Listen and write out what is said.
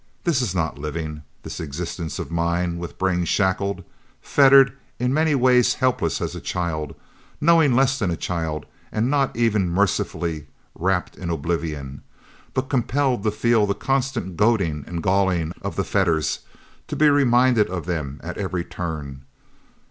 This is not living, this existence of mine, with brain shackled, fettered, in many ways helpless as a child, knowing less than a child, and not even mercifully wrapped in oblivion, but compelled to feel the constant goading and galling of the fetters, to be reminded of them at every turn!